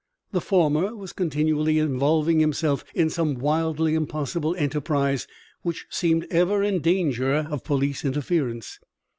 The former was continually involving him in some wildly impossible enterprise which seemed ever in danger of police interference.